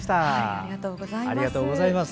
ありがとうございます。